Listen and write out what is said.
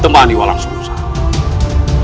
temani walang seluruh saham